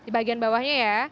bagian bawahnya ya